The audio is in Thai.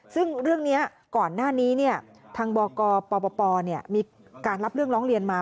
ซึ่งเรื่องนี้ก่อนหน้านี้ทางบกปปมีการรับเรื่องร้องเรียนมา